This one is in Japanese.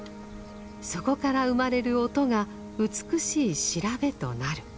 そこから生まれる音が美しい調べとなる。